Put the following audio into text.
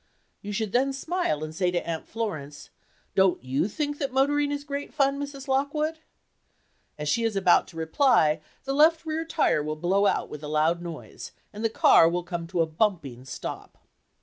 You should then smile and say to Aunt Florence, "Don't you think that motoring is great fun, Mrs. Lockwood?" As she is about to reply, the left rear tire will blow out with a loud noise and the car will come to a bumping stop.